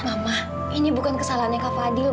mama ini bukan kesalahannya kak fadil